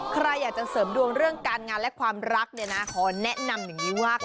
ใครอยากจะเสริมดวงเรื่องการงานและความรักเนี่ยนะขอแนะนำอย่างนี้ว่า